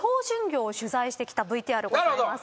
してきたＶＴＲございます。